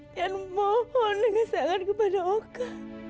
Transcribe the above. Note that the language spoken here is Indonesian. dia memohon dengan sangat kepada oka